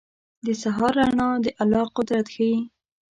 • د سهار رڼا د الله قدرت ښيي.